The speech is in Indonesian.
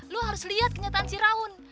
lo harus lihat kenyataan si raun